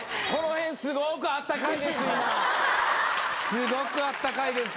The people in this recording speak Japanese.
すごくあったかいです。